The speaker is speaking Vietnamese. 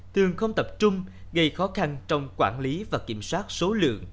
thường không tập trung gây khó khăn trong quản lý và kiểm soát số lượng